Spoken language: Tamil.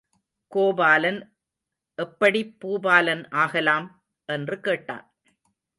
கோபாலன் எப்படிப் பூபாலன் ஆகலாம்? என்று கேட்டான்.